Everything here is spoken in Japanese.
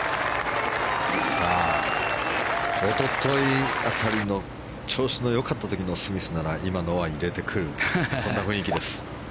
おととい辺りの調子のよかった時のスミスなら今のは入れてくるそんな雰囲気です。